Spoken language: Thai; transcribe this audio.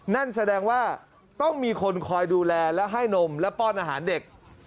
นั่นแสดงว่าต้องมีคนคอยดูแลและให้นมและป้อนอาหารเด็ก